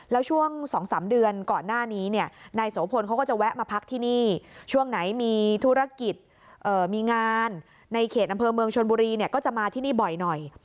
แล้วช่วง๒๓เดือนก่อนหน้านี้เนี่ยนายโสพลเขาก็จะแวะมาพักที่นี่ช่วงไหนมีธุรกิจมีงานในเขตอำเภอเมืองชนบุรีเนี่ยก็จะมาที่นี่บ่อยหน่อย